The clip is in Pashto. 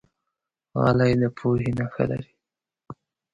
غلی، د پوهې نښه لري.